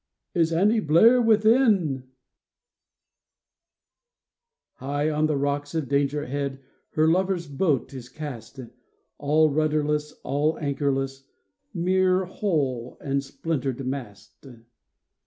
Is Annie Blair within ?" Higk on the rocks of Danger Head Her lover's boat is cast. All rudderless, all anchorless — Mere hull and splintered mast."